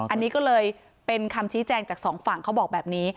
อันนี้ก็เลยเป็นคำชี้แจงจากสองฝั่งเขาบอกแบบนี้